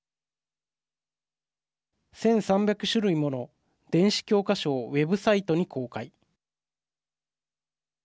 １３００種類もの電子教科書をウェブサイトに公開。